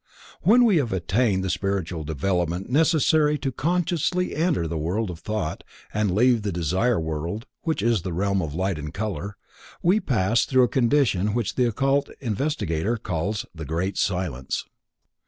_ When we have attained the spiritual development necessary to consciously enter the World of Thought and leave the Desire World, which is the realm of light and color, we pass through a condition which the occult investigator calls The Great Silence.